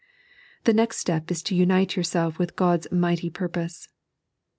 The next step is to unite yourself with God's mighty purpose.